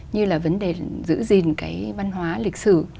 như là vấn đề giữ gìn cái văn hóa lịch sử